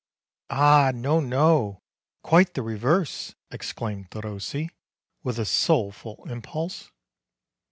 "Ah, no, no ! Quite the reverse !" exclaimed Derossi, *^ with a soulful impulse.